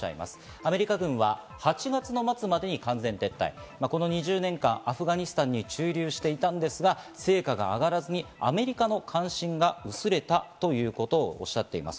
アメリカ軍は８月の末までに完全撤退、この２０年間アフガニスタンに駐留していたんですが成果が上がらずに、アメリカの関心が薄れたということをおっしゃっています。